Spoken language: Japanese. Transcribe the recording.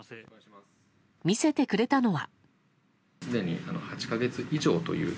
見せてくれたのは。